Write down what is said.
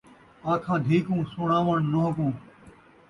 آکھاں دھی کوں، سݨاوݨ نونہہ کوں